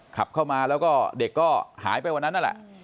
ขับเข้ามาแล้วก็เด็กก็หายไปวันนั้นนั่นแหละ